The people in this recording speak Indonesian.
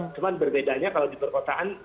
cuma berbedanya kalau di perkotaan